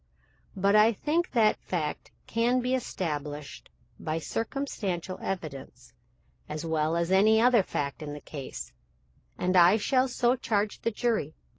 But I think that fact can be established by circumstantial evidence, as well as any other fact in the case, and I shall so charge the jury.